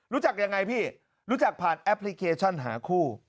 รู้จักยังไงพี่รู้จักผ่านแอปพลิเคชันหาคู่